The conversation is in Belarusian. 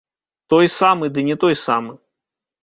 Той самы, ды не той самы!